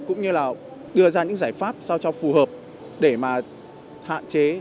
cũng như đưa ra những giải pháp sao cho phù hợp để hạn chế